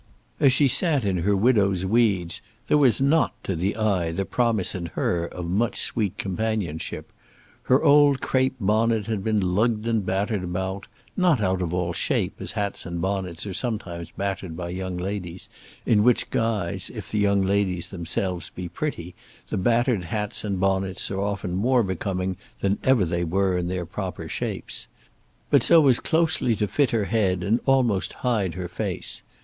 As she sat in her widow's weeds, there was not, to the eye, the promise in her of much sweet companionship. Her old crape bonnet had been lugged and battered about not out of all shape, as hats and bonnets are sometimes battered by young ladies, in which guise, if the young ladies themselves be pretty, the battered hats and bonnets are often more becoming than ever they were in their proper shapes but so as closely to fit her head, and almost hide her face.